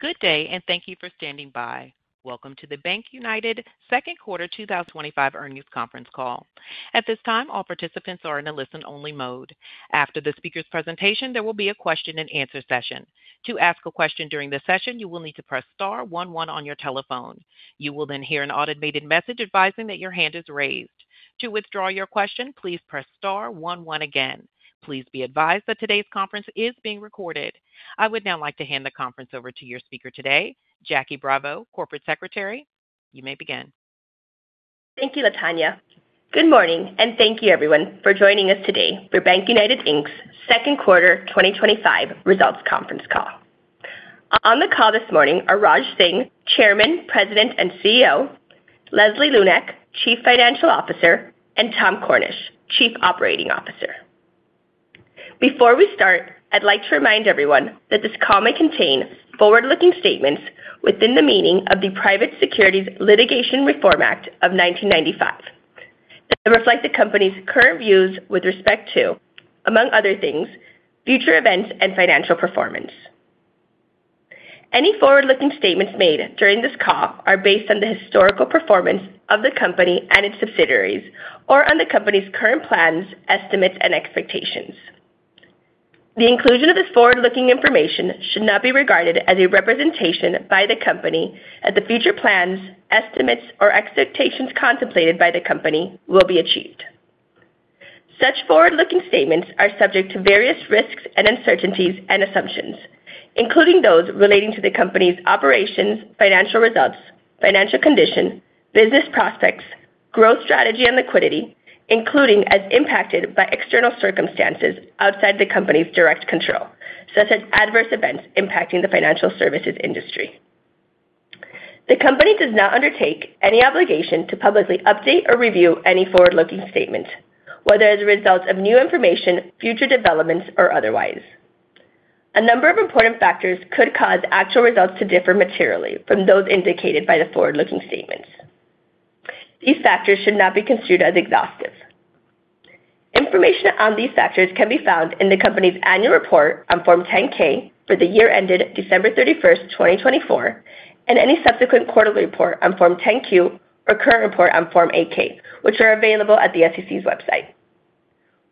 Good day and thank you for standing by. Welcome to the BankUnited. second quarter 2025 earnings conference call. At this time, all participants are in a listen only mode. After the speaker's presentation, there will be a question and answer session. To ask a question during the session, you will need to press star one one on your telephone. You will then hear an automated message advising that your hand is raised. To withdraw your question, please press star one one again. Please be advised that today's conference is being recorded, and I would now like to hand the conference over to your speaker today, Jackie Bravo, Corporate Secretary. You may begin. Thank you, Latonya. Good morning and thank you everyone for joining us today for BankUnited Inc's second quarter 2025 results conference call. On the call this morning are Raj Singh, Chairman, President, and CEO, Leslie Lunak, Chief Financial Officer, and Tom Cornish, Chief Operating Officer. Before we start, I'd like to remind everyone that this call may contain forward-looking statements within the meaning of the Private Securities Litigation Reform Act of 1995 that reflect the company's current views with respect to, among other things, future events and financial performance. Any forward-looking statements made during this call are based on the historical performance of the company and its subsidiaries or on the company's current plans, estimates, and expectations. The inclusion of this forward-looking information should not be regarded as a representation by the company that the future plans, estimates, or expectations contemplated by the company will be achieved. Such forward-looking statements are subject to various risks, uncertainties, and assumptions, including those relating to the company's operations, financial results, financial condition, business prospects, growth strategy, and liquidity, including as impacted by external circumstances outside the company's direct control, such as adverse events impacting the financial services industry. The company does not undertake any obligation to publicly update or review any forward-looking statements, whether as a result of new information, future developments, or otherwise. A number of important factors could cause actual results to differ materially from those indicated by the forward-looking statements. These factors should not be construed as exhaustive. Information on these factors can be found in the company's Annual Report on Form 10-K for the year ended December 31st, 2024, and any subsequent quarterly report on Form 10-Q or current report on Form 8-K, which are available at the SEC's website.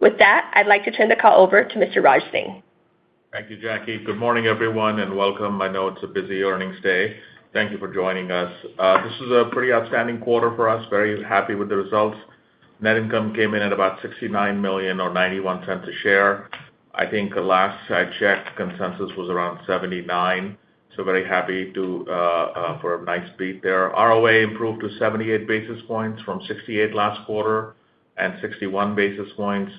With that, I'd like to turn the call over to Mr. Raj Singh. Thank you, Jackie. Good morning, everyone, and welcome. I know it's a busy earnings day. Thank you for joining us. This is a pretty outstanding quarter for us. Very happy with the results. Net income came in at about $69 million, or $0.91 a share. I think last I checked, consensus was around $0.79, so very happy for a nice beat there. ROA improved to 78 basis points from 68 last quarter and 61 basis points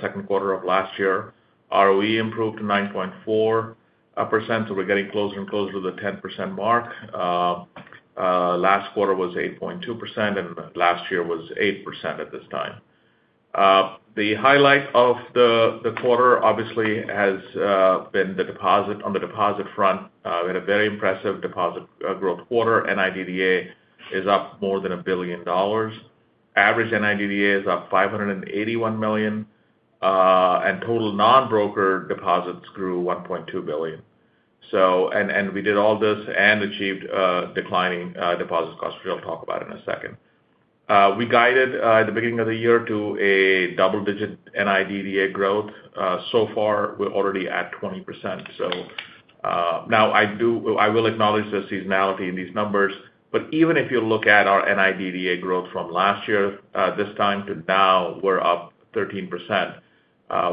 second quarter of last year. ROE improved to 9.4%, so we're getting closer and closer to the 10% mark. Last quarter was 8.2%, and last year was 8% at this time. The highlight of the quarter obviously has been the deposit. On the deposit front, we had a very impressive deposit growth quarter. NIDDA is up more than $1 billion. Average NIDDA is up $581 million, and total non-broker deposits grew $1.2 billion. We did all this and achieved declining deposit costs, which I'll talk about in a second. We guided at the beginning of the year to a double-digit NIDDA growth. So far, we're already at 20%. Now, I will acknowledge the seasonality in these numbers, but even if you look at our NIDDA growth from last year, this time to now, we're up 13%,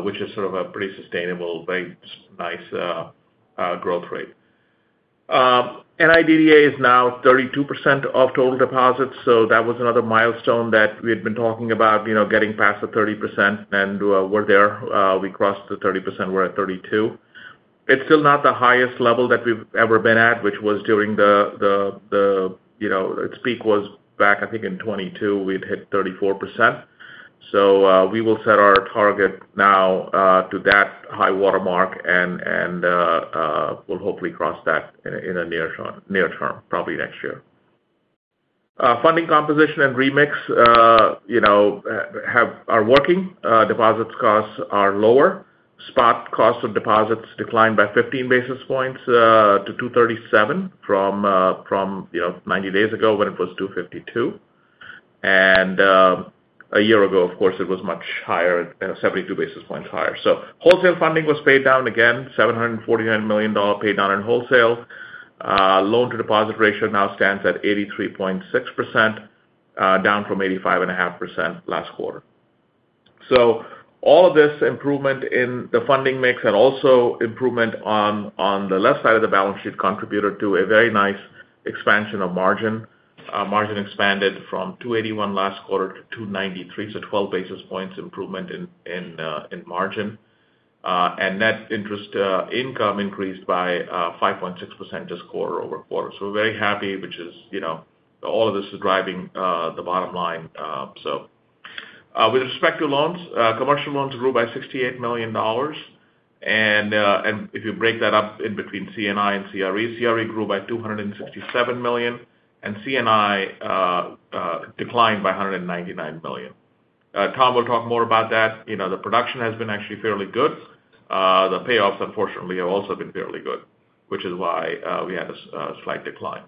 which is sort of a pretty sustainable, very nice growth rate. NIDDA is now 32% of total deposits. That was another milestone that we had been talking about, getting past the 30%. We're there, we crossed the 30%. We're at 32%. It's still not the highest level that we've ever been at, which was during its peak back, I think, in 2022, we'd hit 34%. We will set our target now to that high watermark, and we'll hopefully cross that in the near term, probably next year. Funding composition and remix are working. Deposit costs are lower. Spot cost of deposits declined by 15 basis points to 2.37% from 90 days ago when it was 2.52%, and a year ago, of course, it was much higher, 72 basis points higher. Wholesale funding was paid down again. $749 million paid down in wholesale. Loan to deposit ratio now stands at 83.6%, down from 85.5% last quarter. All of this improvement in the funding mix and also improvement on the left side of the balance sheet contributed to a very nice expansion of margin. Margin expanded from 2.81% last quarter to 2.93%. So, 12 basis points improvement in margin, and net interest income increased by 5.6% this quarter-over-quarter. We're very happy, which is, you know, all of this is driving the bottom line. With respect to loans, commercial loans grew by $68 million. If you break that up in between C&I and CRE, CRE grew by $267 million and C&I declined by $199 million. Tom will talk more about that. The production has been actually fairly good. The payoffs, unfortunately, have also been fairly good, which is why we had a slight decline.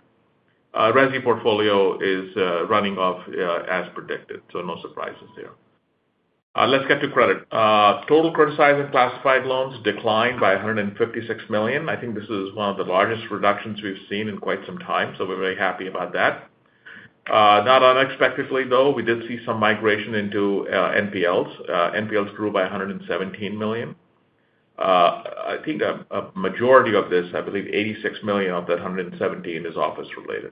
RESI portfolio is running off as predicted, so no surprises there. Let's get to credit. Total criticized and classified loans declined by $156 million. I think this is one of the largest reductions we've seen in quite some time. We're very happy about that. Not unexpectedly, though, we did see some migration into NPLs. NPLs grew by $117 million. I think a majority of this, I believe $86 million of that $117 million, is office related.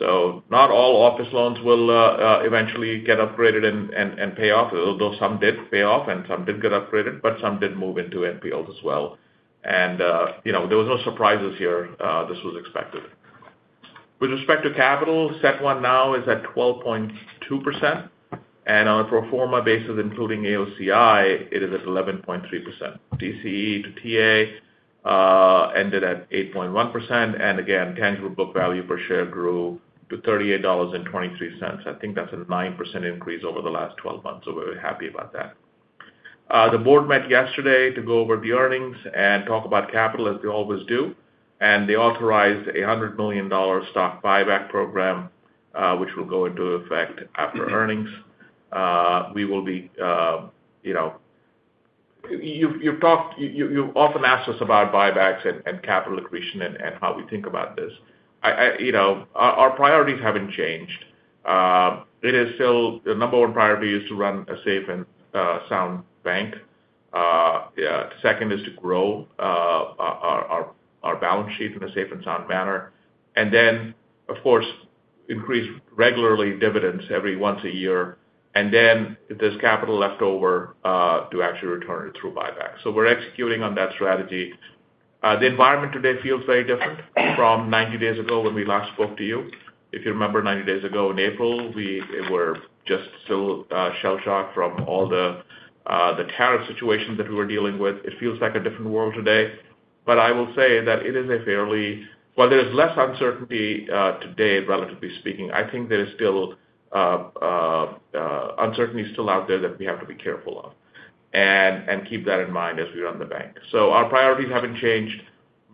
Not all office loans will eventually get upgraded and pay off, although some did pay off and some did get upgraded, but some did move into NPLs as well. There were no surprises here. This was expected. With respect to capital, CET1 now is at 12.2%. On a pro forma basis, including AOCI, it is at 11.3%. DCE to TA ended at 8.1%. Tangible book value per share grew to $38.23. I think that's a 9% increase over the last 12 months, so we're happy about that. The board met yesterday to go over the earnings and talk about capital as they always do, and they authorized a $100 million stock repurchase program which will go into effect after earnings. We will be. You know. You often asked us about buybacks and capital accretion and how we think about this. You know, our priorities haven't changed. It is still the number one priority is to run a safe and sound bank. Second is to grow our balance sheet in a safe and sound manner. Of course, increase regularly dividends every once a year. If there's capital left over to actually return it through buybacks. We're executing on that strategy. The environment today feels very different from 90 days ago when we last spoke to you. If you remember 90 days ago in April, we were just still shell shocked from all the tariff situations that we were dealing with. It feels like a different world today, but I will say that it is a fairly while. There is less uncertainty today, relatively speaking. I think there is still uncertainty still out there that we have to be careful of and keep that in mind as we run the bank. Our priorities haven't changed.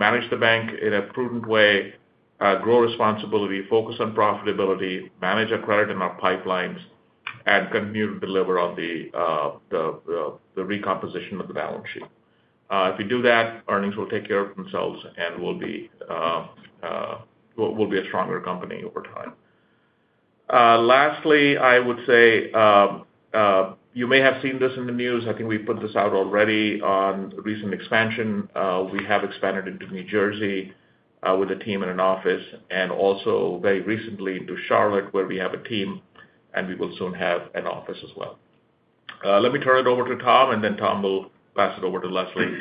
Manage the bank in a prudent way. Grow responsibly, focus on profitability, manage our credit in our pipelines, and continue to deliver on the recomposition of the balance sheet. If we do that, earnings will take care of themselves and we'll be a stronger company over time. Lastly, I would say you may have seen this in the news. I think we put this out already. On recent expansion, we have expanded into New Jersey with a team in an office and also very recently into Charlotte where we have a team and we will soon have an office as well. Let me turn it over to Tom and then Tom will pass it over to Leslie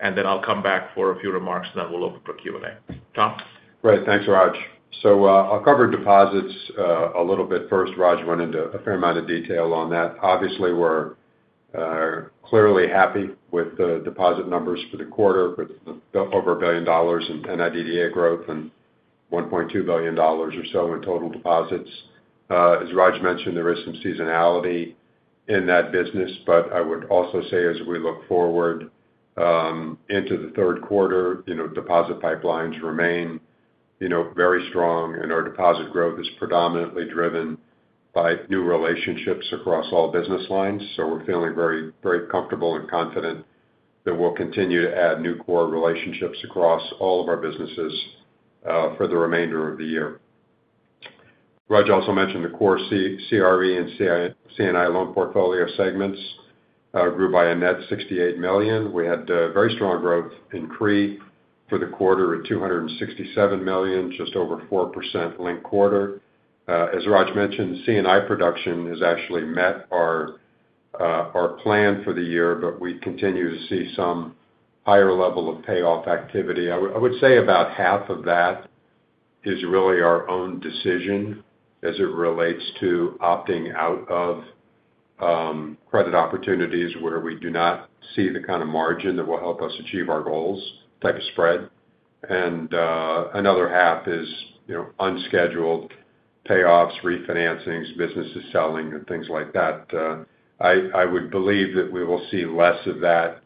and then I'll come back for a few remarks and then we'll. Open for Q&A. Tom, great. Thanks, Raj. I'll cover deposits a little bit first. Raj went into a fair amount of detail on that. Obviously, we're clearly happy with the deposit numbers for the quarter with over $1 billion in NIDDA growth and $1.2 billion or so in total deposits. As Raj mentioned, there is some seasonality in that business. I would also say as we look forward into the third quarter, deposit pipelines remain very strong and our deposit growth is predominantly driven by new relationships across all business lines. We're feeling very comfortable and confident that we'll continue to add new core relationships across all of our businesses for the remainder of the year. Raj also mentioned the core CRE and C&I loan portfolio segments grew by a net $68 million. We had very strong growth in CRE for the quarter at $267 million, just over 4% linked quarter. As Raj mentioned, C&I production has actually met our plan for the year, but we continue to see some higher level of payoff activity. I would say about half of that is really our own decision as it relates to opting out of credit opportunities where we do not see the kind of margin that will help us achieve our goals, type of spread, and another half is unscheduled payoffs, refinancings, businesses selling and things like that. I would believe that we will see less of that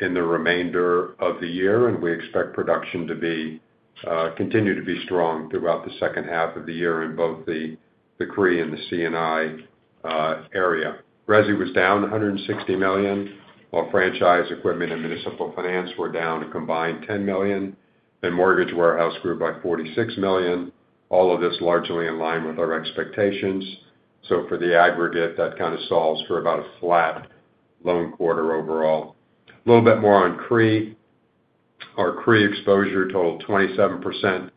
in the remainder of the year and we expect production to continue to be strong throughout the second half of the year. In both the CRE and the C&I area, RESI was down $160 million, while franchise, equipment, and Municipal Finance were down a combined $10 million and mortgage warehouse grew by $46 million. All of this is largely in line with our expectations. For the aggregate, that kind of solves for about a flat loan quarter overall. A little bit more on CRE, our CRE exposure totaled 27%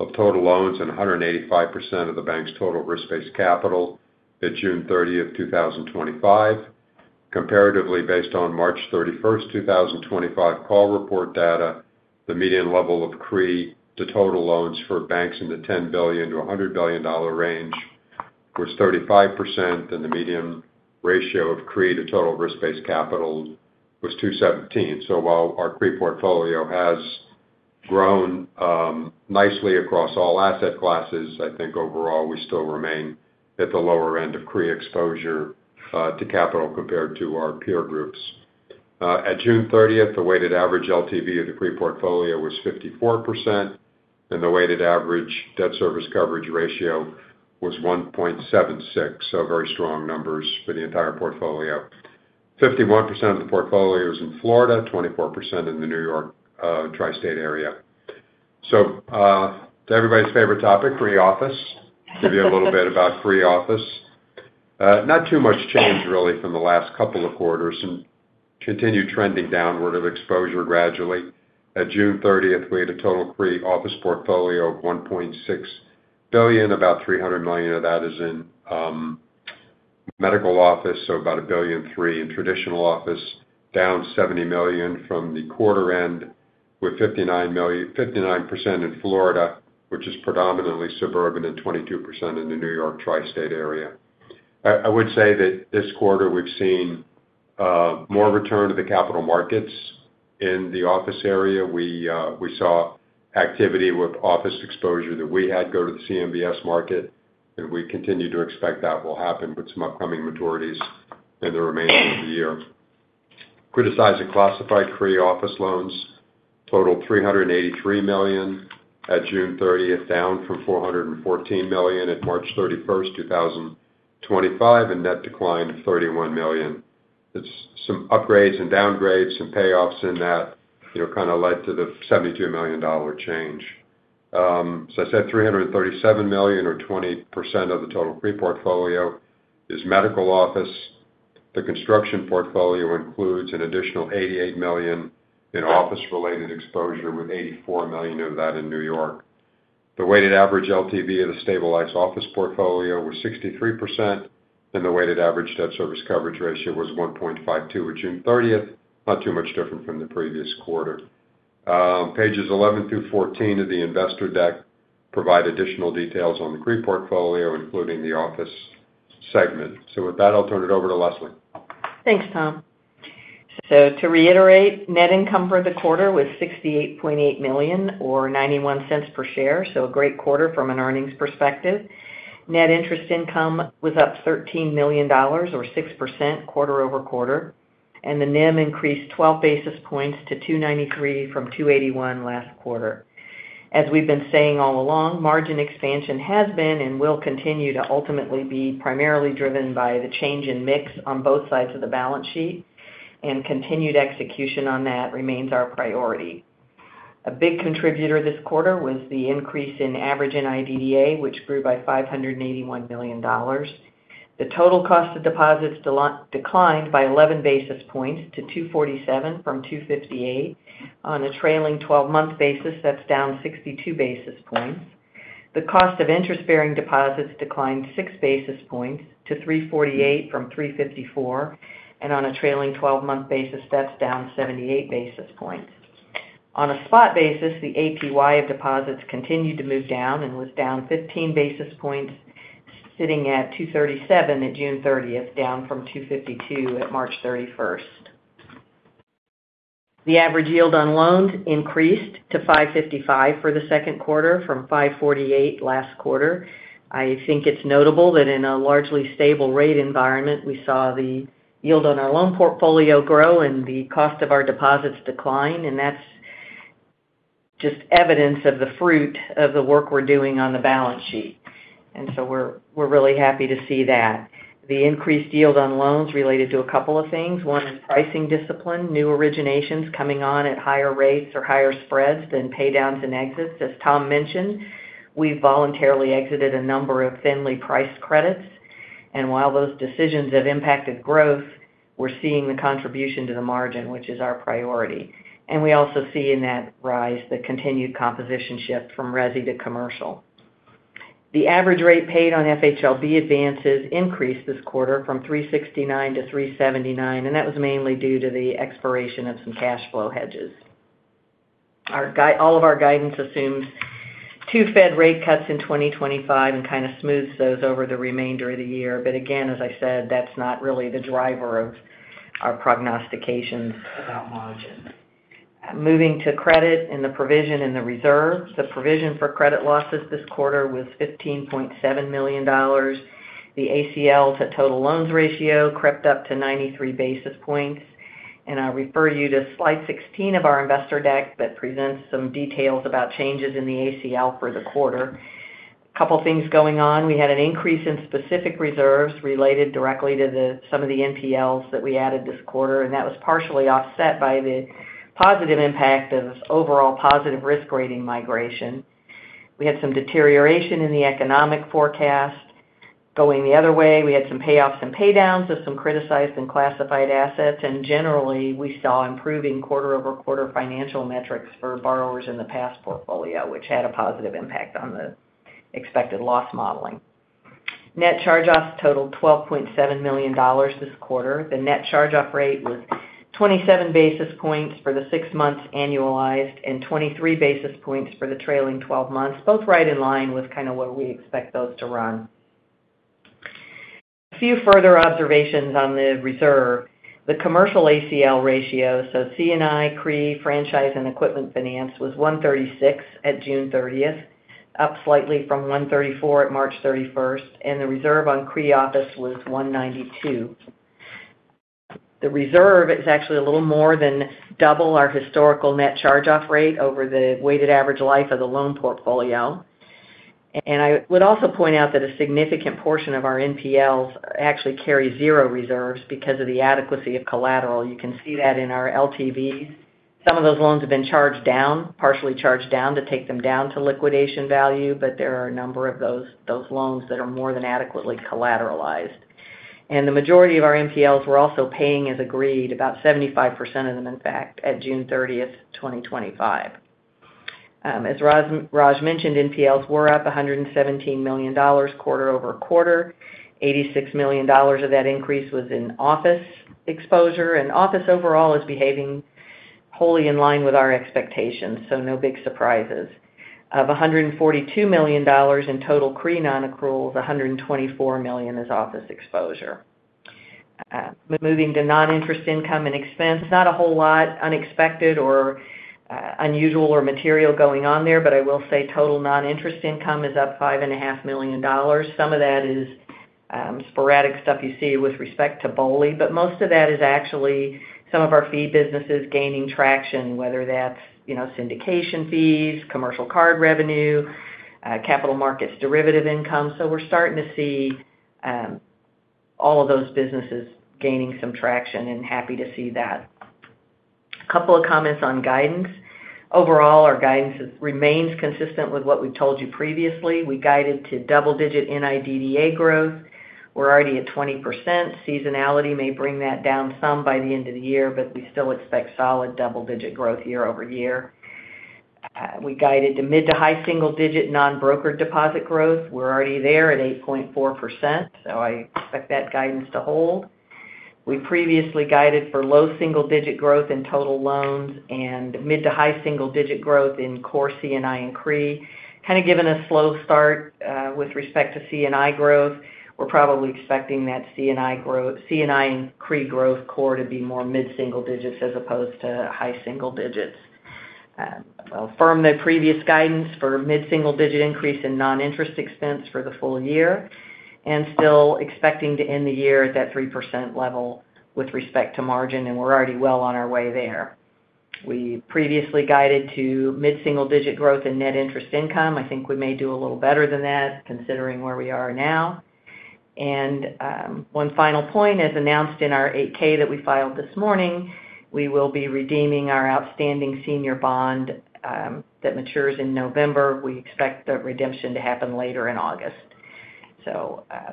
of total loans and 185% of the bank's total risk-based capital at June 30th, 2025. Comparatively, based on March 31st, 2025 call report data, the median level of CRE to total loans for banks in the $10 billion to $100 billion range was 35% and the median ratio of CRE to total risk-based capital was 217%. While our CRE portfolio has grown nicely across all asset classes, I think overall we still remain at the lower end of CRE exposure to capital compared to our peer groups. At June 30th, the weighted average LTV of the CRE portfolio was 54% and the weighted average debt service coverage ratio was 1.76. Very strong numbers for the entire portfolio. 51% of the portfolio is in Florida, 24% in the New York Tri-State area. Everybody's favorite topic, office. Give you a little bit about office. Not too much change really from the last couple of quarters and continue trending downward of exposure gradually. At June 30th, we had a total CRE office portfolio of $1.6 billion. About $300 million of that is in medical office, so about $1.3 billion in traditional office, down $70 million from the quarter end, with 59% in Florida, which is predominantly suburban, and 22% in the New York Tri-State area. I would say that this quarter we've seen more return to the capital markets in the office area. We saw activity with office exposure that we had go to the CMBS market, and we continue to expect that will happen with some upcoming maturities in the remainder of the year. Criticized and classified CRE office loans totaled $383 million at June 30th, down from $414 million at March 31st, 2025 a net decline of $31 million. Some upgrades and downgrades and payoffs in that kind of led to the $72 million change. I said $337 million, or 20% of the total CRE portfolio, is medical office. The construction portfolio includes an additional $88 million in office-related exposure, with $84 million of that in New York. The weighted average LTV of the stabilized office portfolio was 63%, and the weighted average debt service coverage ratio was 1.52 at June 30th. Not too much different from the previous quarter. Pages 11 through 14 of the Investor Deck provide additional details on the CRE portfolio, including the office segment. With that, I'll turn it over to Leslie. Thanks Tom. To reiterate, net income for the quarter was $68.8 million or $0.91 per share. A great quarter from an earnings perspective. Net interest income was up $13 million or 6% quarter-over-quarter, and the net interest margin increased 12 basis points to 2.93% from 2.81% last quarter. As we've been saying all along, margin expansion has been and will continue to ultimately be primarily driven by the change in mix on both sides of the balance sheet. Continued execution on that remains our priority. A big contributor this quarter was the increase in average NIDDA, which grew by $581 million. The total cost of deposits declined by 11 basis points to 2.47% from 2.58%. On a trailing twelve month basis, that's down 62 basis points. The cost of interest-bearing deposits declined 6 basis points to 3.48% from 3.54%. On a trailing twelve month basis, that's down 78 basis points. On a spot basis, the APY of deposits continued to move down and was down 15 basis points, sitting at 2.37% at June 30, down from 2.52% at March 31. The average yield on loans increased to 5.55% for the second quarter from 5.48% last quarter. I think it's notable that in a largely stable rate environment, we saw the yield on our loan portfolio grow and the cost of our deposits decline. That's just evidence of the fruit of the work we're doing on the balance sheet. We're really happy to see that. The increased yield on loans related to a couple of things. One is pricing discipline, new originations coming on at higher rates or higher spreads than pay downs and exits. As Tom mentioned, we voluntarily exited a number of thinly priced credits. While those decisions have impacted growth, we're seeing the contribution to the margin, which is our priority. We also see in that rise the continued composition shift from residential to commercial. The average rate paid on FHLB advances increased this quarter from 3.69% to 3.79%. That was mainly due to the expiration of some cash flow hedges. All of our guidance assumes two Fed rate cuts in 2025 and kind of smooths those over the remainder of the year. As I said, that's really the driver of our prognostications about margin moving to credit and the provision in the reserve. The provision for credit losses this quarter was $15.7 million. The ACL to total loans ratio crept up to 93 basis points. I refer you to Slide 16 of our investor deck that presents some details about changes in the ACL for the quarter. A couple things going on. We had an increase in specific reserves related directly to the specific some of the NPLs that we added this quarter, and that was partially offset by the positive impact of overall positive risk rating migration. We had some deterioration in the economic forecast going the other way. We had some payoffs and pay downs of some criticized and classified assets, and generally we saw improving quarter-over-quarter financial metrics for borrowers in the past portfolio, which had a positive impact on the expected loss modeling. Net charge offs totaled $12.7 million this quarter. The net charge off rate was 27 basis points for the six months annualized and 23 basis points for the trailing 12 months, both right in line with kind of where we expect those to run. A few further observations on the reserve: the commercial ACL ratio, so C&I, CRE, franchise, and equipment finance, was 1.36% at June 30th, up slightly from 1.34% at March 31st, and the reserve on CRE office was 1.92%. The reserve is actually a little more than double our historical net charge off rate over the weighted average life of the loan portfolio. I would also point out that a significant portion of our NPLs actually carry zero reserves because of the adequacy of collateral. You can see that in our LTVs. Some of those loans have been charged down, partially charged down to take them down to liquidation value, but there are a number of those loans that are more than adequately collateralized, and the majority of our NPLs were also paying as agreed, about 75% of them. In fact, at June 30th, 2025, as Raj mentioned, NPLs were up $117 million quarter-over-quarter. $86 million of that increase was in office exposure, and office overall is behaving wholly in line with our expectations. No big surprises. Of $142 million in total CRE non-accruals, $124 million is office exposure. Moving to non-interest income and expense, not a whole lot unexpected or unusual or material going on there, but I will say total non-interest income is up $5.5 million. Some of that is sporadic stuff you see with respect to BOLI, but most of that is actually some of our fee businesses gaining traction, whether that's syndication fees, commercial card revenue, capital markets, derivative income. We're starting to see all of those businesses gaining some traction and happy to see that. A couple of comments on guidance: overall, our guidance remains consistent with what we told you previously. We guided to double-digit NIDDA growth, we're already at 20%. Seasonality may bring that down some by the end of the year, but we still expect solid double-digit growth year-over-year. We guided to mid to high single-digit non-brokered deposit growth, we're already there at 8.4%. I expect that guidance to hold. We previously guided for low single-digit growth in total loans and mid to high single-digit growth in core C&I and CRE, and given a slow start with respect to C&I growth, we're probably expecting that C&I and CRE growth core to be more mid single-digits as opposed to high single-digits from the previous guidance. For mid single-digit increase in non-interest expense for the full year, still expecting to end the year at that 3% level with respect to margin, and we're already well on our way there. We previously guided to mid single-digit growth in net interest income. I think we may do a little better than that considering where we are now. One final point, as announced in our 8-K that we filed this morning, we will be redeeming our outstanding senior bond that matures in November. We expect the redemption to happen later in August.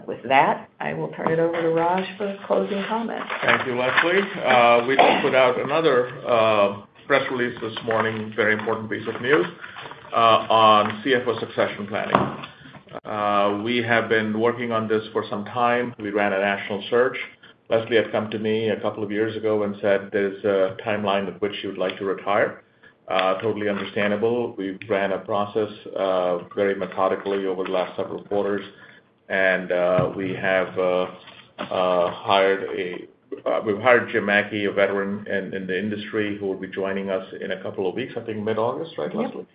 With that, I will turn it over to Raj for closing comments. Thank you, Leslie. We just put out another press release this morning. Very important piece of news on CFO succession planning. We have been working on this for some time. We ran a national search. Leslie had come to me a couple of years ago and said there's a timeline with which she would like to retire. Totally understandable. We ran a process very methodically over the last several quarters and we have hired Jim Mackey, a veteran in the industry who will be joining us in a couple of weeks, I think mid August. Right. Leslie.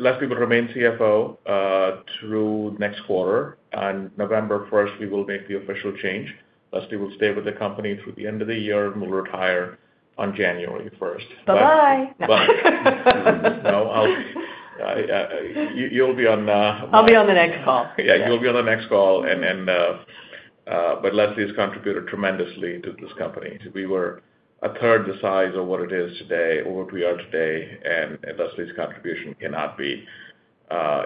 Leslie will remain CFO through next quarter. On November 1st, we will make the official change. Leslie will stay with the company through the end of the year and will retire on January 1st. Bye. Bye. You'll be on. I'll be on the next call. Yeah, you'll be on the next call. And. Leslie has contributed tremendously to this company. We were a third the size of what it is today or what we are today. Leslie's contribution cannot be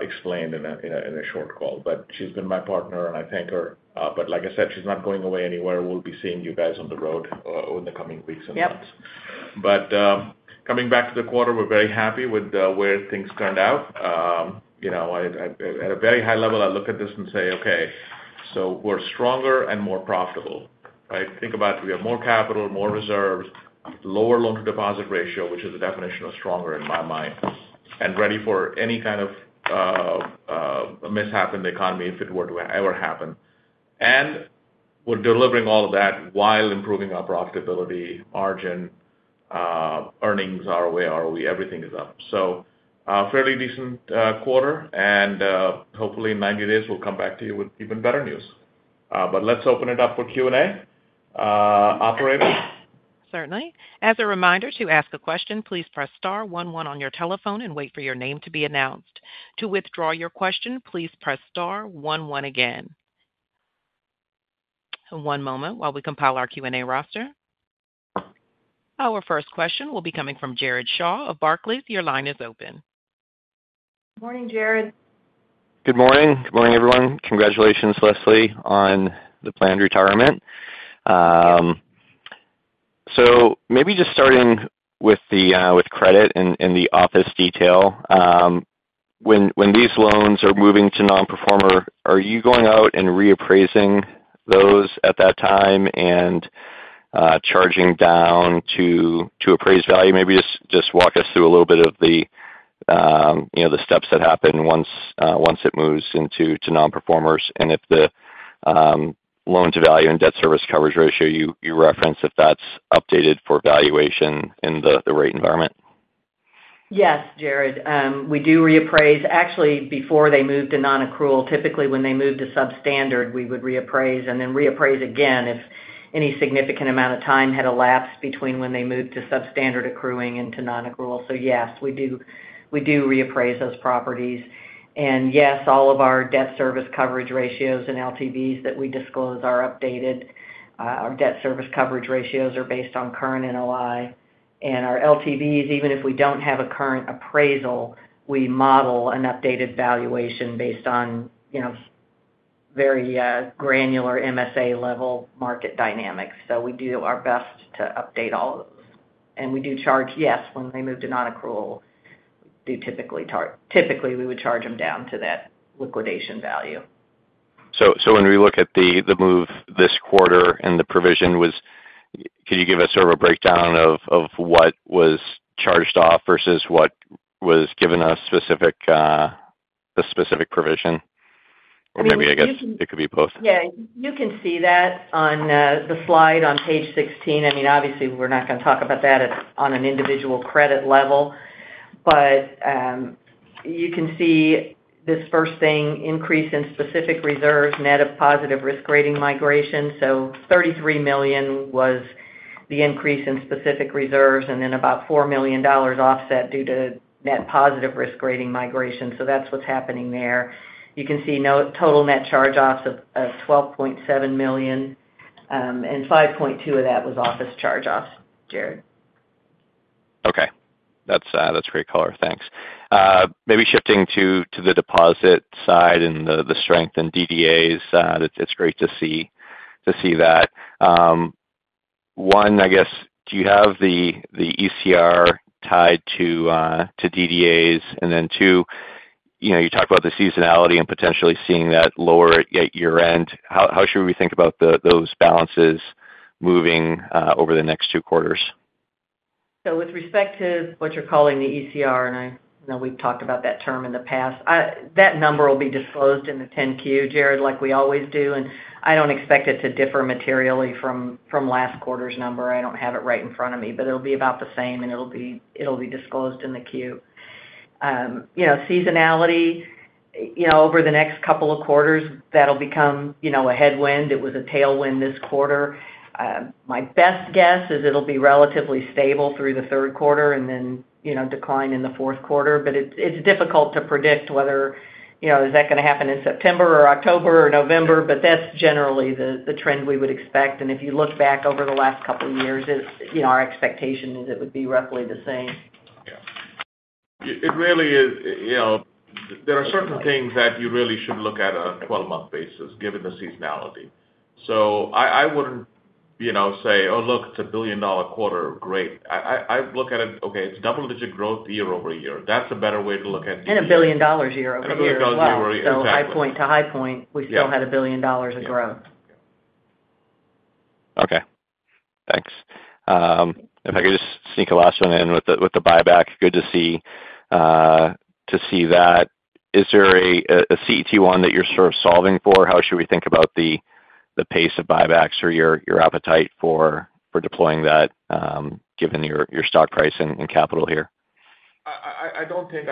explained in a short call. She's been my partner and I thank her. Like I said, she's not going away anywhere. We'll be seeing you guys on the road in the coming weeks and months. Coming back to the quarter, we're very happy with where things turned out, you know, at a very high level. I look at this and say, okay, we're stronger and more profitable, right? Think about it, we have more capital, more reserves, lower loan to deposit ratio, which is the definition of stronger in my mind and ready for any kind of mishap in the economy if it were to ever happen. We're delivering all of that while improving our profitability, margin, earnings, ROA, ROE, everything is up. Fairly decent quarter and hopefully in 90 days we'll come back to you with even better news. Let's open it up for Q&A, operator. Certainly. As a reminder to ask a question, please press star one one on your telephone and wait for your name to be announced. To withdraw your question, please press star one one again. One moment. While we compile our Q&A roster, our first question will be coming from Jared Shaw of Barclays. Your line is open. Good morning, Jared. Good morning. Good morning, everyone. Congratulations, Leslie, on the planned retirement. Maybe just starting with credit and the office detail, when these loans are moving to non-performer, are you going out and reappraising those at that time and charging down to appraised value? Maybe just walk us through a little bit of the steps that happen once it moves into non-performers. If the loan to value and debt service coverage ratio you reference, if that's updated for valuation in the rate environment. Yes, Jared, we do reappraise actually before they move to non-accrual. Typically, when they move to substandard, we would reappraise and then reappraise again if any significant amount of time had elapsed between when they moved to substandard accruing and to non-accrual. Yes, we do reappraise those properties. Yes, all of our debt service coverage ratios and LTVs that we disclose are updated. Our debt service coverage ratios are based on current NOI and our LTVs. Even if we don't have a current appraisal, we model an updated valuation based on very granular MSA-level market dynamics. We do our best to update all of those, and we do charge, yes, when they move to non-accrual, typically we would charge them down to that liquidation value. When we look at the move this quarter and the provision was, can you give us sort of a breakdown of what was charged off versus what was given a specific provision? Maybe, I guess it could be both. Yeah, you can see that on the slide on page 16. I mean, obviously we're not going to talk about that on an individual credit level. You can see this first thing, increase in specific reserves, net of positive risk rating migration. $33 million was the increase in specific reserves and then about $4 million offset due to net positive risk rating migration. That's what's happening there. You can see total net charge-offs of $12.7 million and $5.2 million of that was office charge-offs. Jared. Okay, that's great. Color. Thanks. Maybe shifting to the deposit side and the strength in DDAs. It's great to see that one, I guess. Do you have the ECR tied to DDAs? Then you talked about the seasonality and potentially seeing that lower at year end. How should we think about those balances moving over the next two quarters? With respect to what you're calling the ECR, and I know we've talked about that term in the past, that number will be disclosed in the 10-Q, Jared, like we always do. I don't expect it to differ materially from last quarter's number. I don't have it right in front of me, but it'll be about the same and it'll be disclosed in the Q. Seasonality over the next couple of quarters will become a headwind. It was a tailwind this quarter. My best guess is it'll be relatively stable through the third quarter and then decline in the fourth quarter. It's difficult to predict whether that is going to happen in September, October, or November, but that's generally the trend we would expect. If you look back over the last couple of years, our expectation is it would be roughly the same. It really is. There are certain things that you really should look at on a 12-month basis given the seasonality. I wouldn't say, oh look, it's a $1 billion quarter. Great. I look at it, okay, it's double-digit growth year-over-year. That's a better way to look at it. A billion dollars year-over-year, high point. We still had a billion dollars of growth. Okay, thanks. If I could just sneak the last one in with the buyback. Good to see that. Is there a CET1 that you're. Sort of solving for? How should we think about the pace of buybacks or your appetite for deploying that, given your stock price and capital here? I don't think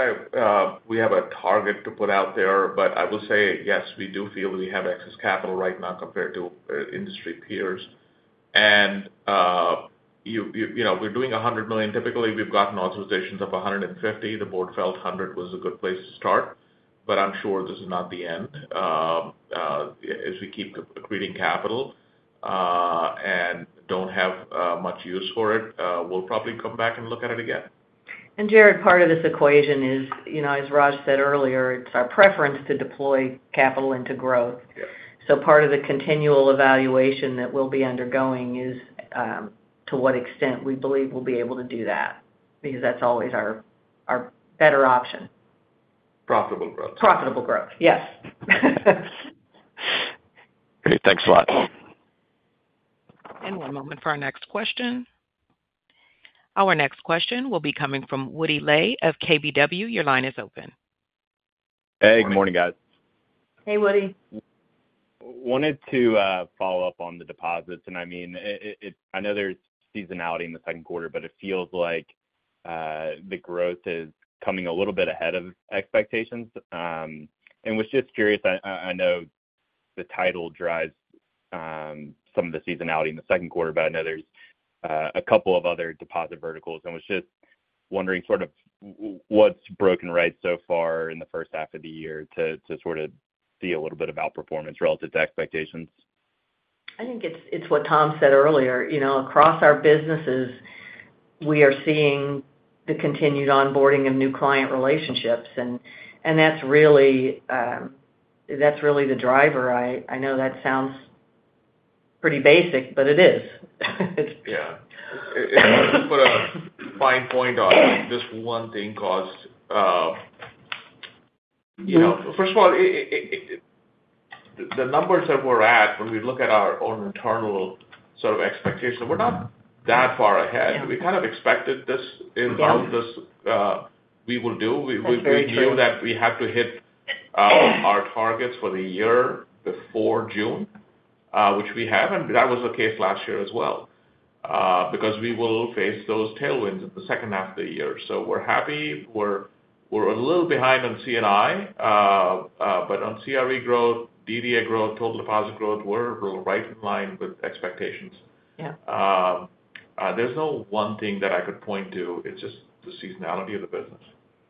we have a target to put out there, but I will say yes, we do feel we have excess right now compared to industry peers and we're doing $100 million. Typically we've gotten authorizations of $150 million. The board felt $100 million was a good place to start, but I'm sure this is not the end as we keep accreting capital and don't have much use for it. We'll probably come back and look at it again. Jared, part of this equation is, as Raj said earlier, it's our preference to deploy capital into growth. Part of the continual evaluation that we'll be undergoing is to what extent we believe we'll be able to do that because that's always our better option. Profitable growth. Profitable growth, yes. Great. Thanks a lot. One moment for our next question. Our next question will be coming from Woody Lay of KBW. Your line is open. Hey, good morning, guys. Hey, Woody. Wanted to follow up on the deposits. I mean, I know there's seasonality in the second quarter, but it feels like the growth is coming a little bit ahead of expectations and was just curious. I know the title drives some of the seasonality in the second quarter, but I know there's a couple of other deposit verticals and was just wondering sort of what's broken right so far in. The first half of the year too. Sort of see a little bit of outperformance relative to expectations. I think it's what Tom said earlier. Across our businesses, we are seeing the continued onboarding of new client relationships, and that's really the driver. I know that sounds pretty basic, but it is. to put a fine point on this, one thing caused. First of all. Numbers that we're at, when we look at our own internal sort of expectations, we're not that far ahead. We kind of expected this. We knew that we have to hit our targets for the year before June, which we have. That was the case last year as well because we will face those tailwinds in the second half of the year. We're happy. We're a little behind on C&I, but on CRE growth, DDA growth, total deposit growth, we're right in line with expectations. There's no one thing that I could point to. It's just the seasonality of the business.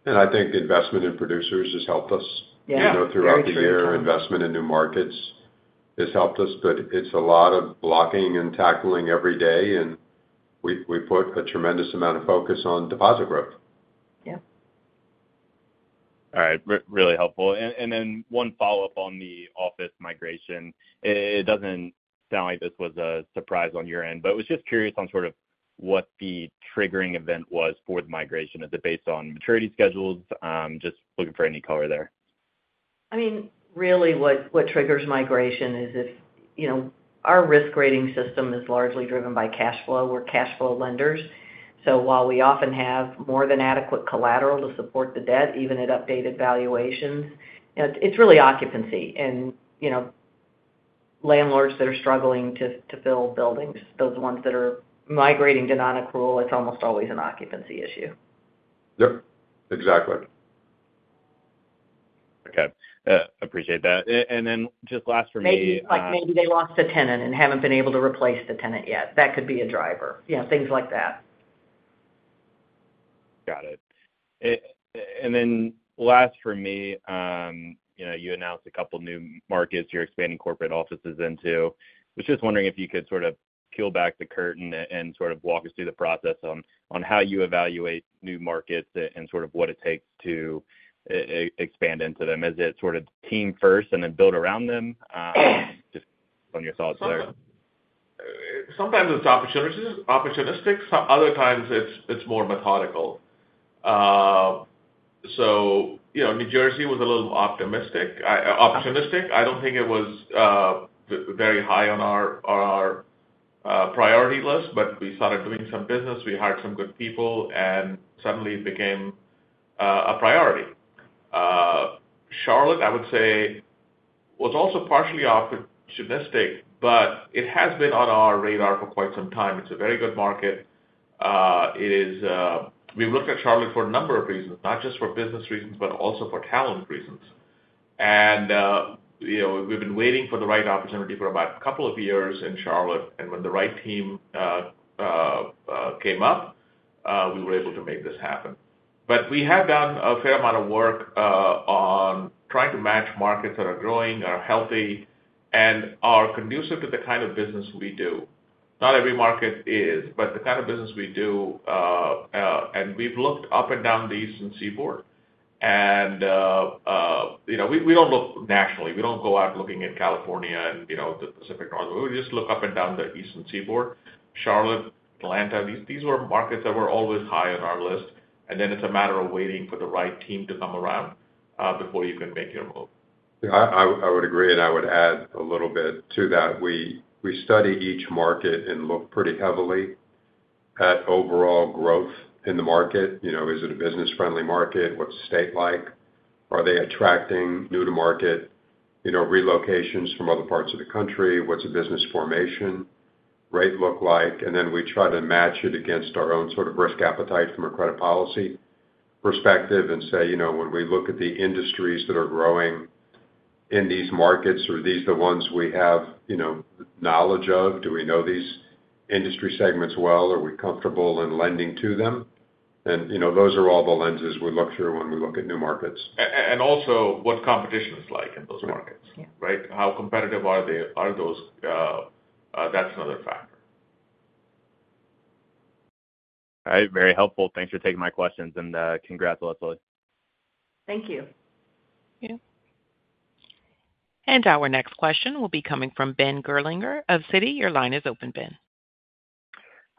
I think investment in producers has. Helped us throughout the year. Investment in new markets has helped us, but it's a lot of blocking and tackling every day, and we put a tremendous amount of focus on deposit growth. Yeah. All right. Really helpful. One follow up on the office migration. It doesn't sound like this was a surprise on your end, but was just curious on what the triggering event was for the migration. Is it based on maturity schedules? Just looking for any color there. I mean really what triggers migration is if, you know, our risk rating system is largely driven by cash flow. We're cash flow lenders. While we often have more than adequate collateral to support the debt, even at updated valuations, it's really occupancy. Landlords that are struggling to fill buildings, those ones are migrating to non-accrual. It's almost always an occupancy issue. Yep, exactly. Okay, appreciate that. Just last from like maybe. They lost a tenant and haven't been able to replace the tenant yet. That could be a driver. Yeah, things like that. Got it. Last for me, you announced a couple new markets you're expanding corporate offices into. Was just wondering if you could sort of peel back the curtain and walk us through the process on how you evaluate new markets and what it takes to expand into them. Is it team first and then build around them? Just on your thoughts there. Sometimes it's opportunistic, other times it's more methodical. New Jersey was a little opportunistic. I don't think it was very high on our priority list, but we started doing some business, we hired some good people, and suddenly it became a priority. Charlotte, I would say, was also partially opportunistic, but it has been on our radar for quite some time. It's a very good market. We looked at Charlotte for a number of reasons, not just for business reasons, but also for talent reasons. We've been waiting for the right opportunity for about a couple of years in Charlotte, and when the right team came up, we were able to make this happen. We have done a fair amount of work on trying to match markets that are growing, are healthy, and are conducive to the kind of business we do. Not every market is, but the kind of business we do. We've looked up and down the Eastern Seaboard, and we don't look nationally. We don't go out looking at California and the Pacific North. We just look up and down the Eastern Seaboard, Charlotte, Atlanta. These were markets that were always high on our list, and then it's a matter of waiting for the right team to come around before you can make your move. I would agree, and I would add a little bit to that. We study each market and look pretty heavily at overall growth in the market. You know, is it a business-friendly market? What's the state like? Are they attracting new to market? You know, relocations from other parts of the country, what's the business formation rate look like? We try to match it against our own sort of risk appetite from a credit policy perspective and say, you know, when we look at the industries that are growing in these markets or the ones we have knowledge of, do we know these industry segments well? Are we comfortable in lending to them? Those are all the lenses we look through when we look. At new markets and also what competition is like in those markets. Right. How competitive are they? That's another factor. All right, very helpful. Thanks for taking my questions. Congrats, Leslie. Thank you. Our next question will be coming from Ben Gerlinger of Citi. Your line is open. Ben.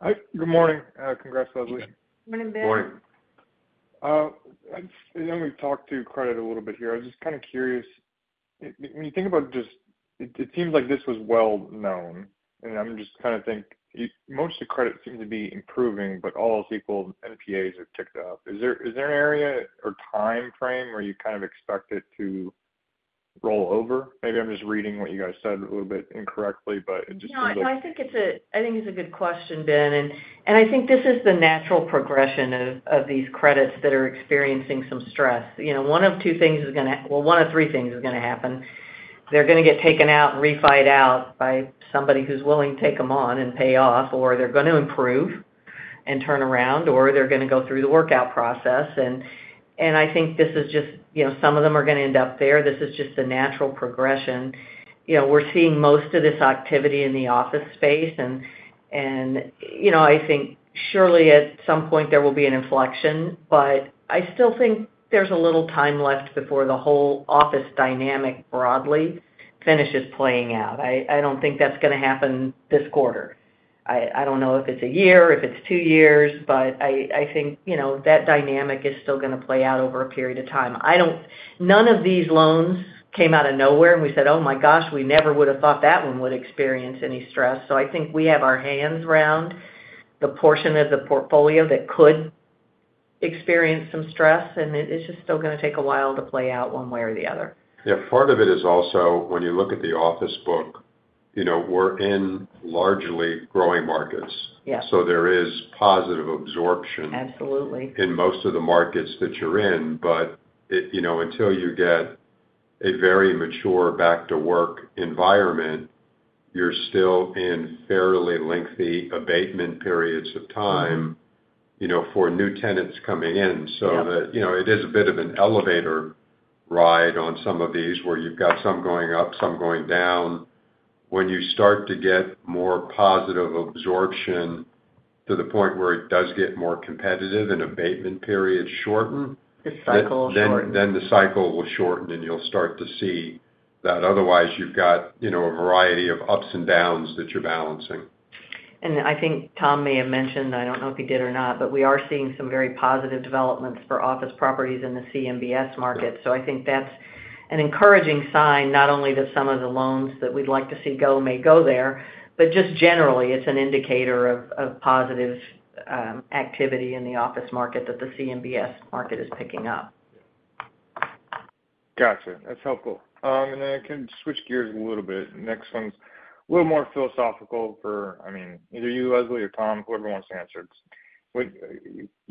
Hi. Good morning. Congrats, Leslie. Morning, Ben. We've talked through credit a little bit here. I was just kind of curious. When you think about just, it seems like this was well known and I'm just kind of thinking most of credit seems to be improving, but all criticized and classified NPAs have ticked up. Is there an area or time frame where you kind of expect it to roll over? Maybe I'm just reading what you guys said a little bit incorrectly, but it just. No, I think it's a good question, Ben. I think this is the natural progression of these credits that are experiencing some stress. One of two things is going to, well, one of three things is going to happen. They're going to get taken out and refi'd out by somebody who's willing to take them on and pay off, or they're going to improve and turn around, or they're going to go through the workout process. I think this is just, you know, some of them are going to end up there. This is just a natural progression. We're seeing most of this activity in the office space. I think surely at some point there will be an inflection, but I still think there's a little time left before the whole office dynamic broadly finishes playing out. I don't think that's going to happen this quarter. I don't know if it's a year, if it's two years, but I think that dynamic is still going to play out over a period of time. None of these loans came out of nowhere and we said, oh my gosh, we never would have thought that one would experience any stress. I think we have our hands around the portion of the portfolio that could experience some stress and it's just still going to take a while to play out one way or the other. Part of it is also, when you look at the office book, we're in largely growing markets, so there is positive absorption. Absolutely. In most of the markets that you're in. But. Until you get a very mature back to work environment, you're still in fairly lengthy abatement periods of time for new tenants coming in. It is a bit of an elevator ride on some of these where you've got some going up, some going down. When you start to get more positive absorption to the point where it does get more competitive and abatement periods shortening, the cycle will shorten and you'll start to see that. Otherwise, you've got a variety of ups and downs that you're balancing. I think Tom may have mentioned, I don't know if he did or not, but we are seeing some very positive developments for office properties in the CMBS market. I think that's an encouraging sign. Not only that some of the loans that we'd like to see go may go there, but just generally it's an indicator of positive activity in the office market that the CMBS market is picking up. Gotcha. That's helpful. I can switch gears a little bit. Next one's a little more philosophical for, I mean, either you, Leslie, or Tom, whoever wants to answer.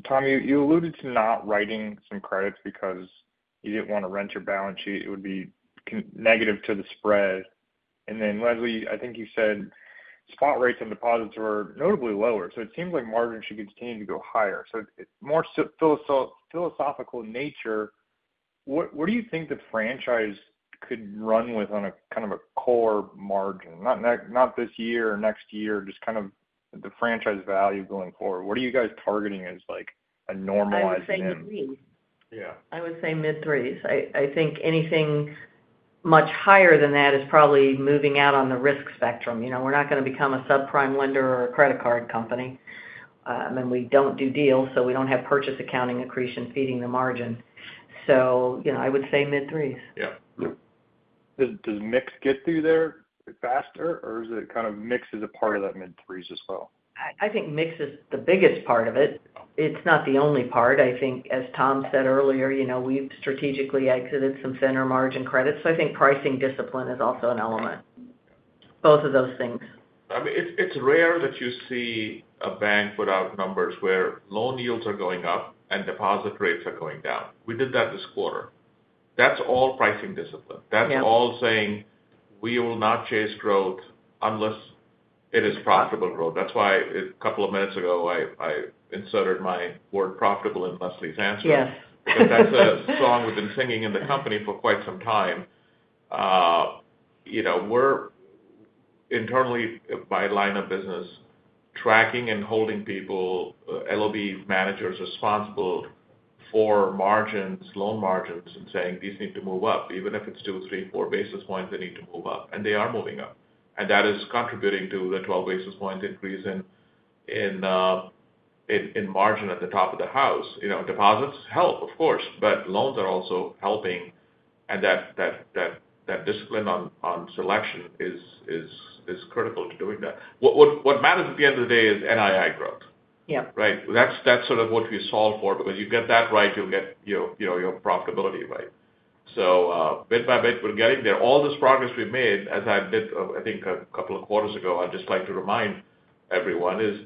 Tom, you alluded to not writing some credits because you didn't want to rent your balance sheet. It would be negative to the spread. Leslie, I think you said spot rates and deposits were notably lower. It seems like margin should continue to go higher. More philosophical nature. What do you think the franchise could run with on a kind of a core margin? Not. Not this year or next year. Just kind of the franchise value going forward. What are you guys targeting as like a normalized? Yeah, I would say mid 3s. I think anything much higher than that is probably moving out on the risk spectrum. You know, we're not going to become a subprime lender or a credit card company and we don't do deals. We don't have purchase accounting accretion feeding the margin. I would say mid 3s. Yeah. Does mix get through there faster, or is it kind of mix is a part of that mid 3s as well? I think mix is the biggest part of it. It's not the only part. I think as Tom said earlier, we've strategically exited some thinner margin credits. I think pricing discipline is also an element, both of those things. It's rare that you see a bank put out numbers where loan yields are going up and deposit rates are going down. We did that this quarter. That's all pricing discipline. That's all saying, we will not chase growth unless it is profitable growth. That's why a couple of minutes ago I inserted my word profitable in Leslie's answer. That's a song we've been singing in the company for quite some time. We're internally by line of business tracking and holding people, LOB managers, responsible for margins, loan margins and saying these need to move up. Even if it's 2, 3, 4 basis points, they need to move up. They are moving up, and that is contributing to the 12 basis points increase in margin at the top of the house. Deposits help, of course, but loans are also helping and that discipline on selection is critical to doing that. What matters at the end of the day is NII growth. That's sort of what we solve for, because you get that right, you'll get your profitability right. Bit by bit, we're getting there. All this progress we've made, as I did, I think a couple of quarters ago, I'd just like to remind everyone, is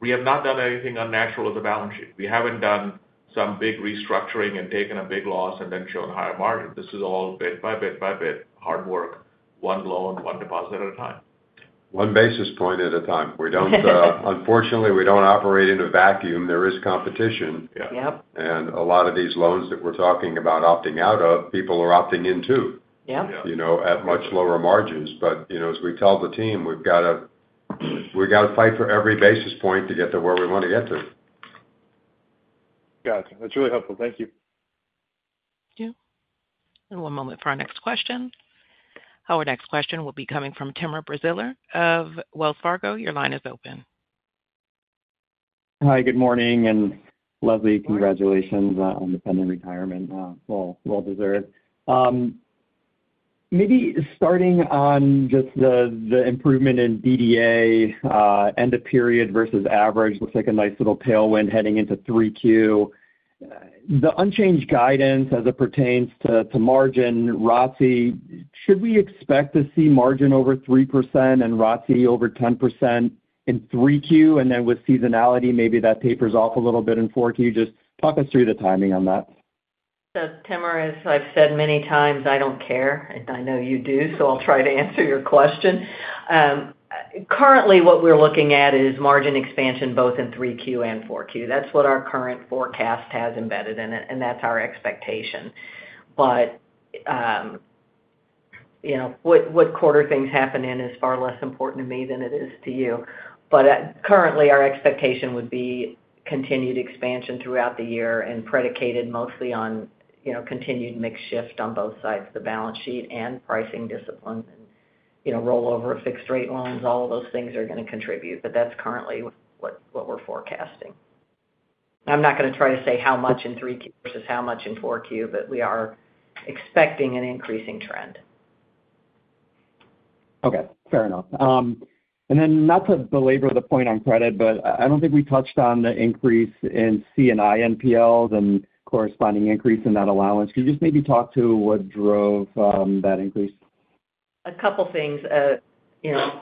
we have not done anything unnatural as a balance sheet. We haven't done some big restructuring and taken a big loss and then shown higher margin. This is all bit by bit by bit hard work. One loan, one deposit at a time. One basis point at a time. Unfortunately, we don't operate in a vacuum. There is competition, and a lot of these loans that we're talking about opting out of, people are opting into at much lower margins. As we tell the team, we got to fight for every basis point to get to where we want to get to. Gotcha, that's really helpful. Thank you. One moment for our next question. Our next question will be coming from Timur Braziler of Wells Fargo. Your line is open. Hi, good morning. Leslie, congratulations on the pending retirement. Well deserved. Maybe starting on just the improvement in DDA end of period versus average, looks like a nice little tailwind heading into 3Q. The unchanged guidance as it pertains to margin ROTC, should we expect to see margin over 3% and ROTC over 10% in 3Q? With seasonality, maybe that tapers off a little bit in 4Q. Just talk us through the timing on that. Timur, as I've said many times, I don't care and I know you do, so I'll try to answer your question. Currently, what we're looking at is margin expansion both in 3Q and 4Q. That's what our current forecast has embedded in it and that's our expectation. What quarter things happen in is far less important to me than it is to you. Currently our expectation would be continued expansion throughout the year and predicated mostly on continued mix shift on both sides of the balance sheet and pricing discipline, rollover, fixed rate loans. All of those things are going to contribute, but that's currently what we're forecasting. I'm not going to try to say how much in 3Q versus how much in 4Q, but we are expecting an increasing trend. Okay, fair enough. Not to belabor the point on credit, but I don't think we touched on the increase in C&I NPLs and the corresponding increase in that allowance. Can you just maybe talk to what drove that increase? A couple things. A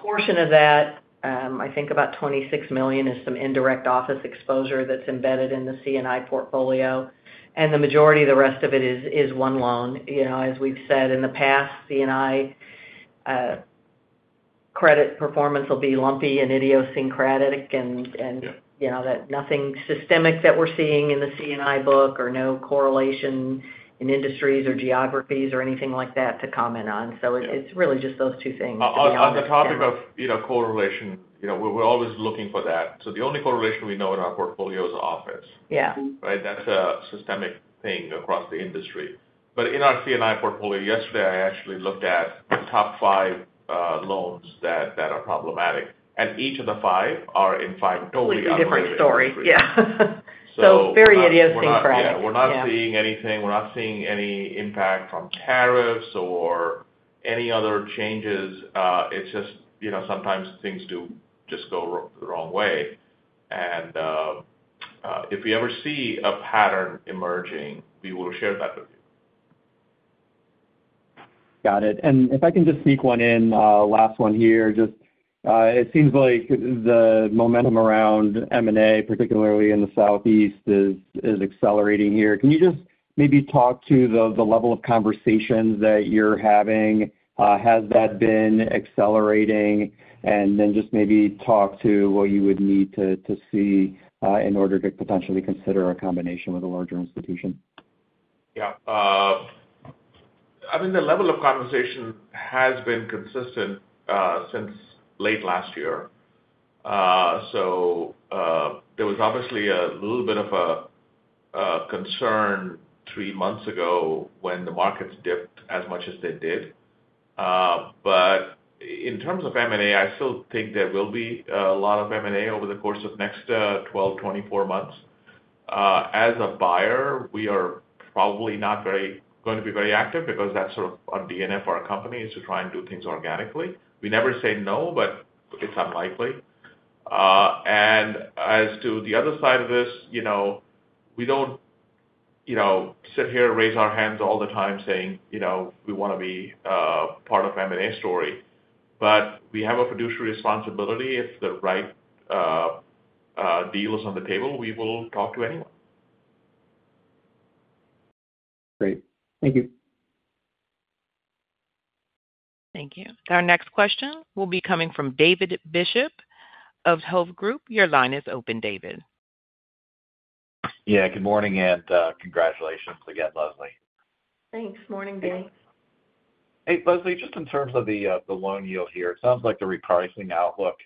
portion of that, I think about $26 million, is some indirect office exposure that's embedded in the C&I portfolio. The majority of the rest of it is one loan. As we've said in the past, C&I credit performance will be lumpy and idiosyncratic, and nothing systemic that we're seeing in the C&I book or no correlation in industries or geographies or anything like that to comment on. It's really just those two things. On the topic of correlation, we're always looking for that. The only correlation we know in our portfolio is office. That's a systemic thing across the industry. In our C&I portfolio yesterday, I actually looked at the top five loans that are problematic, and each of the five are in fact totally different story. Yeah, very interesting for anyone. We're not seeing anything. We're not seeing any impact from tariffs or any other changes. It's just, you know, sometimes things do just go the wrong way, and if you ever see a pattern emerging, we will share that with you. Got it. If I can just sneak one in, last one here. Just. It seems like the momentum around M&A, particularly in the Southeast, is accelerating here. Can you just maybe talk to the level of conversations that you're having? Has that been accelerating? Just maybe talk to what you would need to see in order to potentially consider a combination with a larger institution. Yeah, I mean the level of compensation has been consistent since late last year. There was obviously a little bit of a concern three months ago when the markets dipped as much as they did. In terms of M&A, I still think there will be a lot of M&A over the course of the next 12, 24 months. As a buyer, we are probably not going to be very active because that's sort of our DNA for our company, to try and do things organically. We never say no, but unlikely. As to the other side of this, we don't sit here and raise our hands all the time saying we want to be part of an M&A story, but we have a fiduciary responsibility. If the right deal is on the table, we will talk to anyone. Great, thank you. Thank you. Our next question will be coming from David Bishop of Hovde Group. Your line is open. David. Yeah, good morning and congratulations again, Leslie. Thanks. Morning, Dave. Hey Leslie, just in terms of the. Loan yield here, it sounds like the repricing outlook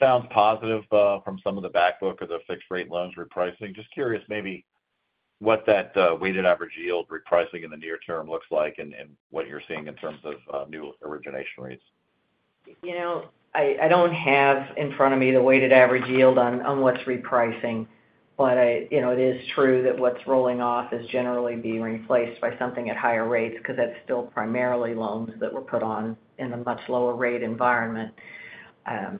sounds positive from some of. The back book of the fixed rate loans repricing. Just curious what that weighted average yield repricing in the near term looks like and what you're seeing in terms of new origination rates. I don't have in front of me the weighted average yield on what's repricing. It is true that what's rolling off is generally being replaced by something at higher rates because that's still primarily loans that were put on in a much lower rate environment. I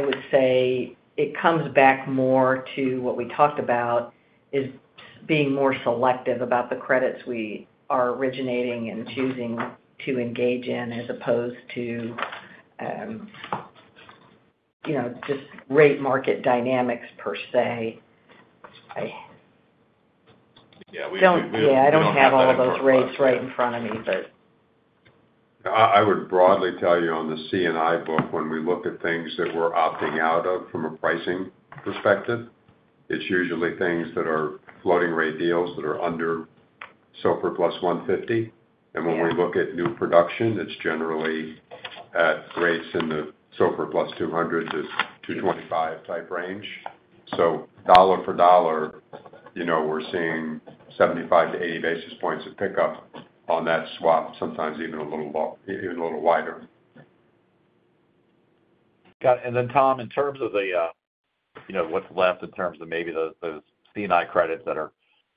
would say it comes back more to what we talked about, being more selective about the credits we are originating and choosing to engage in as opposed to just rate market dynamics per se. I don't have all of those rates right in front of me. I would broadly tell you on the C&I book, when we look at things that we're opting out of from a pricing perspective, it's usually things that are floating rate deals that are under SOFR + 150. When we look at new production, it's generally at rates in the SOFR + 200-225 type range. Dollar for dollar, we're seeing 75 basis points-80 basis points of pickup on that swap, sometimes even a little wider. Got it. Tom, in terms of the. You know, what's left in terms of maybe those C&I credits that are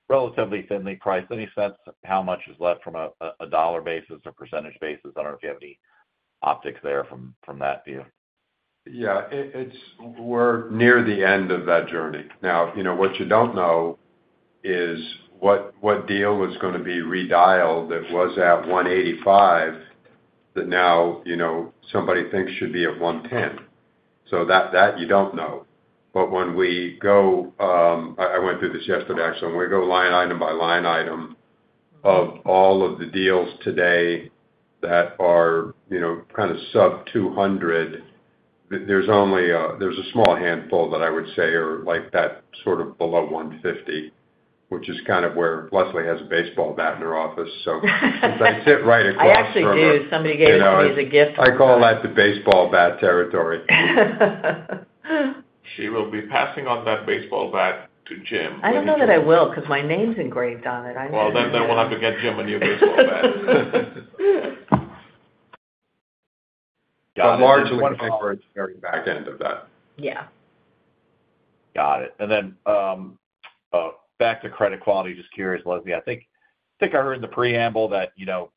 relatively thinly priced. Any sense how much is left from? A dollar basis or percentage basis? I don't know if you have any. Optics there from that view. Yeah, we're near the end of that journey now. What you don't know is what deal was going to be redialed that was at $185 that now somebody thinks should be at $110. You don't know. I went through this yesterday, actually. When we go line item by line item of all of the deals today that are kind of sub $200, there's only a small handful that I would say are like that, sort of below $150, which is kind of where Leslie has a baseball bat in her office. I sit right across. I actually do. Somebody gave me that as a gift. The baseball bat territory. She will be passing on that baseball bat to Jim Mackey. I don't know that I will because my name's engraved on it. We'll have to get Jim a new baseball bat. The large back end of that. Yeah. Got it. Back to credit quality. Just curious, Leslie. I think I heard the preamble that, you know,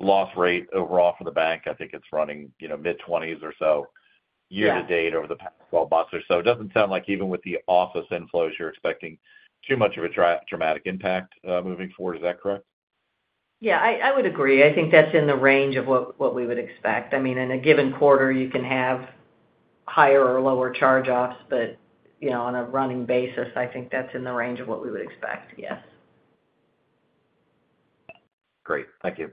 loss rate overall for the. BankUnited, I think it's running mid-20s or so year to date over the past. 12 months or so. It doesn't sound like even with the office inflows, you're expecting too much of a dramatic impact moving forward. Is that correct? Yeah, I would agree. I think that's in the range of what we would expect. I mean, in a given quarter, you can have higher or lower charge-offs, but on a running basis, I think that's in the range of what we would expect. Yes. Great. Thank you.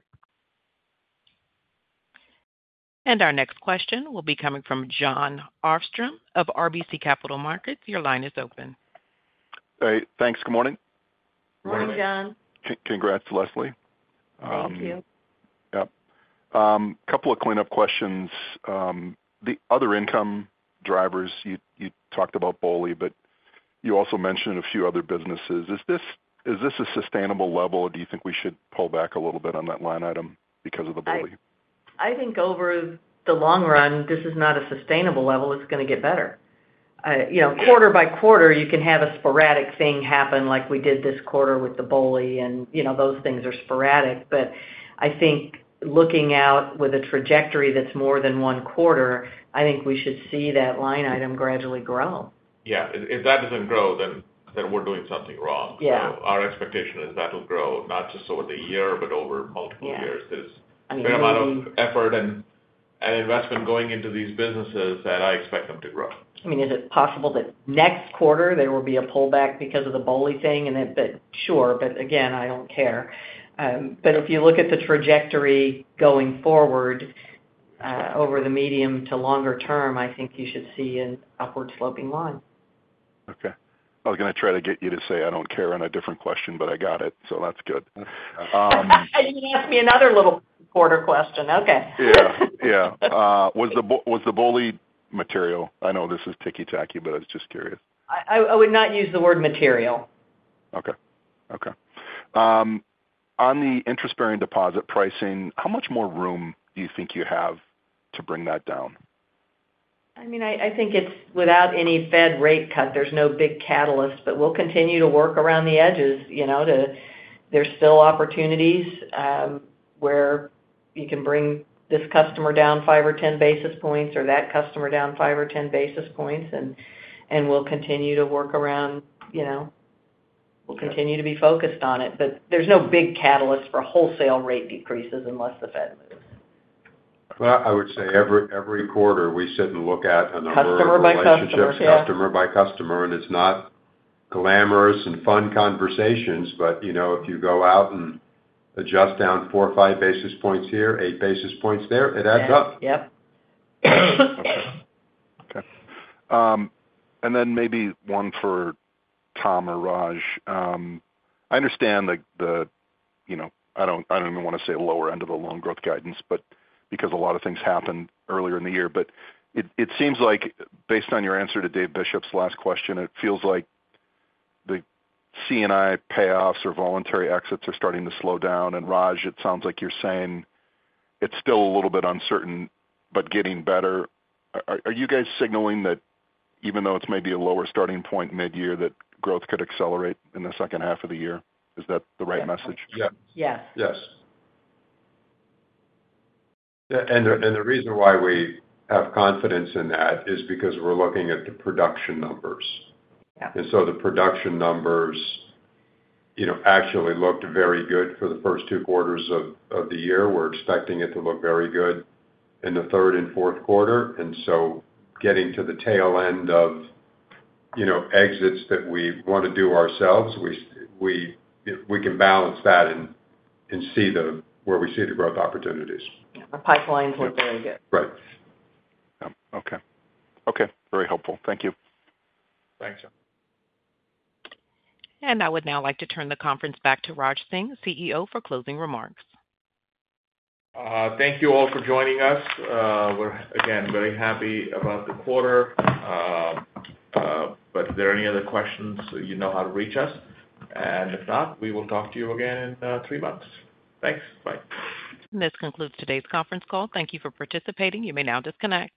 Our next question will be coming from Jon Arfstrom of RBC Capital Markets. Your line is open. Thanks. Good morning. Morning, John. Congrats, Leslie. Thank you. Couple of cleanup questions. The other income drivers, you talked about BOLI, but you also mentioned a few other businesses. Is this a sustainable level? Do you think we should pull back a little bit on that line item because of the BOLI? I think over the long run, this is not a sustainable level. It's going to get better quarter by quarter. You can have a sporadic thing happen like we did this quarter with the BOLI, and those things are sporadic. I think looking out with a trajectory that's more than one quarter, we should see that line item gradually grow. Yeah. If that doesn't grow, then we're doing something wrong. Our expectation is that will grow not just over the year, but over multiple years. There is a fair amount of effort and investment going into these businesses, and I expect them to grow. I mean, is it possible that next quarter there will be a pullback because of the BOLI thing? Sure. Again, I don't care. If you look at the trajectory going forward over the medium to longer term, I think you should see an upward sloping line. Okay. I was going to try to get you to say, I don't care on a different question. I got it, so that's good. You can ask me another little quarter question. Yeah. Yeah. Was the BOLI material? I know this is ticky-tacky, but. I was just curious. I would not use the word material. Okay. Okay. On the interest-bearing deposit pricing, how much more room do you think you have to bring that down? I think it's, without any Fed rate cut, there's no big catalyst, but we'll continue to work around the edges. There's still opportunities where you can bring this customer down 5 or 10 basis points or that customer down 5 or 10 basis points. We'll continue to work around. We'll continue to be focused on it, but there's no big catalyst for wholesale rate decreases unless the Fed. I would say every quarter we. Sit and look at a number of. Customer by customer relationships. customer by customer. It's not glamorous and fun conversations, but, you know, if you go out and adjust down 4 or 5 basis points here, 8 basis points there, it adds up. Yep. Maybe one for Tom or Raj. I understand the. The. You know, I don't even want to say lower end of the loan growth guidance, because a lot of things happened earlier in the year. It seems like, based on your answer to David Bishop's last question, it feels like the C&I payoffs or voluntary exits are starting to slow down. Raj, it sounds like you're saying it's still a little bit uncertain, but getting better. Are you guys signaling that even though it's maybe a lower starting point mid year, that growth could accelerate in the second half of the year? Is that the right message? Yes, yes. Yes. The reason why we have confidence in that is because we're looking at the production numbers. The production numbers actually looked very good for the first two quarters of the year. We're expecting it to look very good in the third and fourth quarter. Getting to the tail end of exits that we want to do ourselves, we can balance that and see where we see the growth opportunities. Our pipelines look very good. Right. Okay. Okay. Very helpful. Thank you. Thanks. I would now like to turn the conference back to Raj Singh, CEO, for closing remarks. Thank you all for joining us. We're again very happy about the quarter. If there are any other questions, you know how to reach us. If not, we will talk to you again in three months. Thanks. Bye. This concludes today's conference call. Thank you for participating. You may now disconnect.